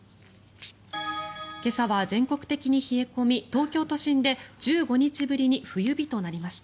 今朝は全国的に冷え込み東京都心で１５日ぶりに冬日となりました。